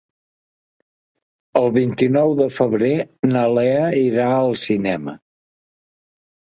El vint-i-nou de febrer na Lea irà al cinema.